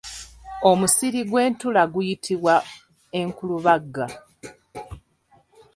Omusiri gw'entula guyitibwa enkulubagga.